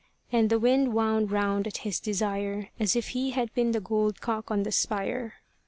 And the wind wound round at his desire, As if he had been the gold cock on the spire.